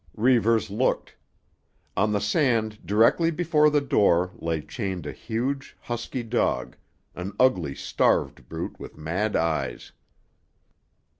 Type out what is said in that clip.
Reivers looked. On the sand directly before the door lay chained a huge, husky dog, an ugly, starved brute with mad eyes.